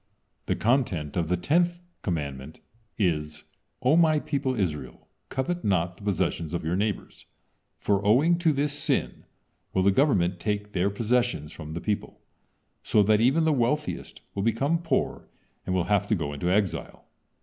The content of the tenth commandment is: "O My people Israel, covet not the possessions of your neighbors, for owing to this sin will the government take their possessions from the people, so that even the wealthiest will become poor and will have to go into exile."